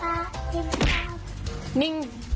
ภาพนิ่งนะครับ